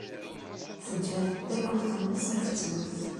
Teǧǧa tameddakelt-nnes ad tettwet.